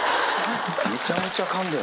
めちゃめちゃかんでる。